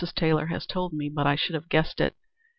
Taylor has told me, but I should have guessed it.